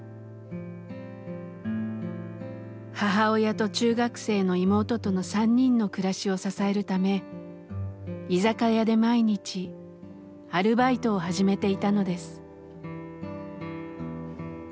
母親と中学生の妹との３人の暮らしを支えるため居酒屋で毎日アルバイトを始めていたのです。